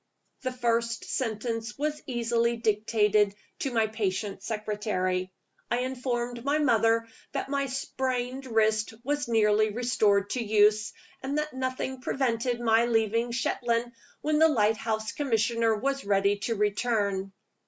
The first sentence was easily dictated to my patient secretary. I informed my mother that my sprained wrist was nearly restored to use, and that nothing prevented my leaving Shetland when the lighthouse commissioner was ready to return.